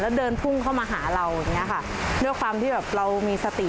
แล้วเดินพุ่งเข้ามาหาเราอย่างเงี้ยค่ะด้วยความที่แบบเรามีสติ